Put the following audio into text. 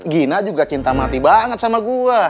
gina juga cinta mati banget sama gue